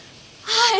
はい！